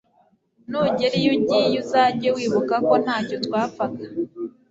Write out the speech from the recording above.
nugera iyo ugiye uzajye wibuka ko ntacyo twapfaga